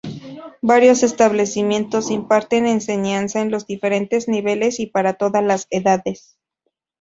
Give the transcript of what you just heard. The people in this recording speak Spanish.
Varios establecimientos imparten enseñanza en los diferentes niveles y para todas las edades.